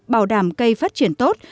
bảo đảm cây phát triển tốt